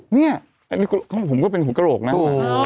นี่ผมก็เป็นหูกรกนะโอ้โห